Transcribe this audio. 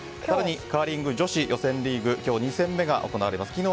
更にカーリング女子予選リーグ今日２戦目が行われます。